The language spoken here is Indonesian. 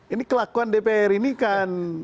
ini kelakuan dpr ini kan